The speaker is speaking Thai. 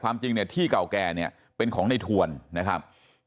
จริงเนี่ยที่เก่าแก่เนี่ยเป็นของในทวนนะครับ